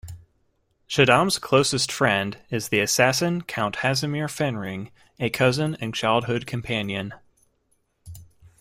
Shaddam's closest friend is the assassin Count Hasimir Fenring, a cousin and childhood companion.